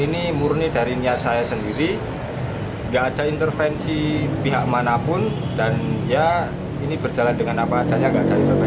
ini murni dari niat saya sendiri nggak ada intervensi pihak manapun dan ya ini berjalan dengan apa adanya